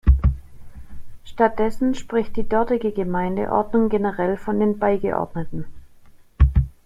Stattdessen spricht die dortige Gemeindeordnung generell von den Beigeordneten.